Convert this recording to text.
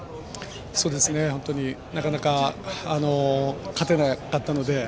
そうですね、本当になかなか勝てなかったので。